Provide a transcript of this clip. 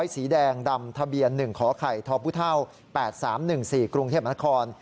สีแดงดำทะเบียน๑ขอไข่ทพ๘๓๑๔กรุงเทพมนาคม